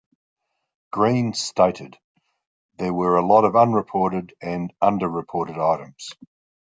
Greene stated, There were a lot of unreported and underreported items.